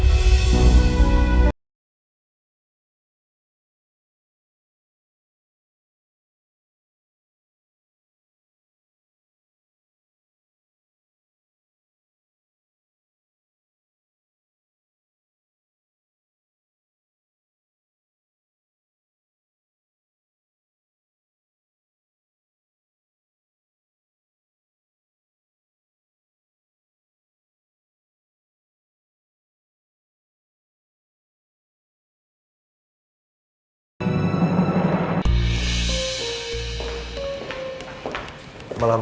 kami cukup mandel suaminya